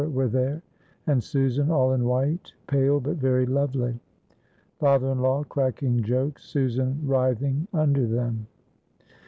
were there, and Susan all in white, pale but very lovely. Father in law cracking jokes, Susan writhing under them.